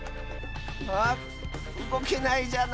あっうごけないじゃない。